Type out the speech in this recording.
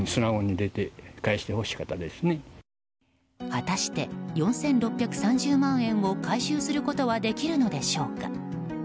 果たして４６３０万円を回収することはできるのでしょうか。